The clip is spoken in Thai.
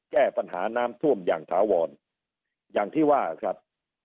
แก้ปัญหาน้ำท่วมอย่างถาวรอย่างที่ว่าครับ